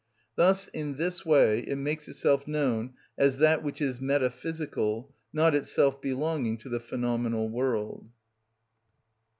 Thus in this way it makes itself known as that which is metaphysical, not itself belonging to the phenomenal world.